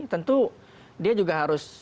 tentu dia juga harus